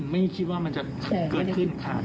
ไม่คิดว่ามันจะเกิดขึ้นขาดอีก